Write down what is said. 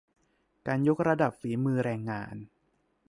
การยกระดับฝีมือแรงงาน